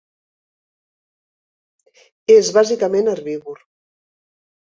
És bàsicament herbívor.